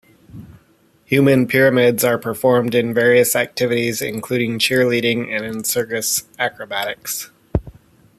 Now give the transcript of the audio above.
Human pyramids are performed in various activities, including cheerleading and in circus acrobatics.